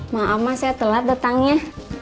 maaf mas saya telat datangnya